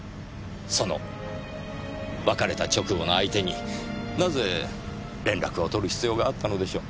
その別れた直後の相手になぜ連絡を取る必要があったのでしょう？